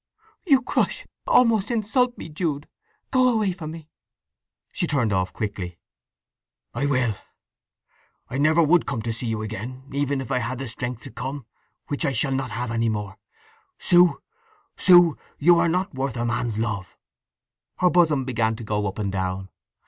"You crush, almost insult me, Jude! Go away from me!" She turned off quickly. "I will. I would never come to see you again, even if I had the strength to come, which I shall not have any more. Sue, Sue, you are not worth a man's love!" Her bosom began to go up and down.